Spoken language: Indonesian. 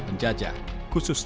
perang tu amat belilah perang